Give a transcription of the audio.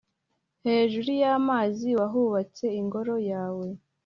hejuru y'amazi wahubatse ingoro yawe